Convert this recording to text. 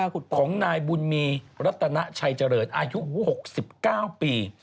ของนายบุญมีรัตนาชัยเจริญอายุ๖๙ปี